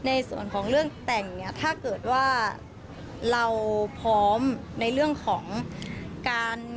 ในส่วนของเรื่องแต่งเนี่ยถ้าเกิดว่าเราพร้อมในเรื่องของการ